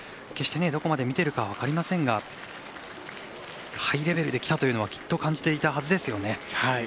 決して、どこまで見ているかは分かりませんがハイレベルできたというのはきっと感じていたはずですよね。